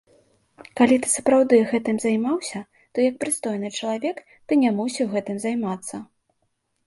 Калі ты сапраўды гэтым займаўся, то як прыстойны чалавек, ты не мусіў гэтым займацца.